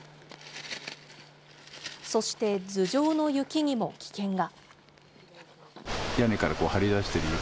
そして頭上の雪にも危険が。